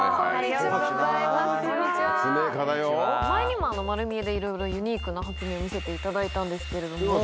前にも『まる見え！』でいろいろユニークな発明を見せていただいたんですけれども。